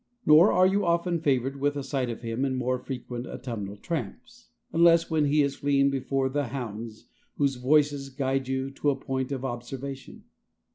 Nor are you often favored with a sight of him in more frequent autumnal tramps, unless when he is fleeing before the hounds whose voices guide you to a point of observation.